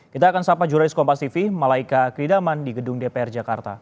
kita akan sapa jurnalis kompas tv malaika kridaman di gedung dpr jakarta